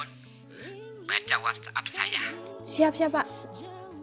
terima kasih pak